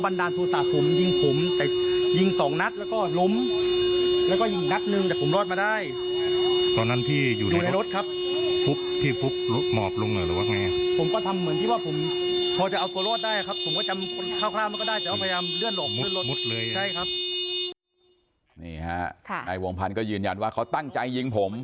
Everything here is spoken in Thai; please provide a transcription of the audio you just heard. นี่ฮะนายวงพันธ์ก็ยืนยันว่าเขาตั้งใจยิงผม